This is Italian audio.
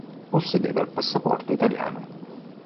Possedeva il passaporto italiano.